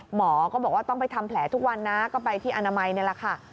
หมอก็บอกว่าต้องไปทำแผลทุกวันนะก็ไปที่อนามัยนี่แหละค่ะ